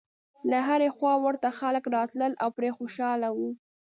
له هرې خوا ورته خلک راتلل او پرې خوشاله و.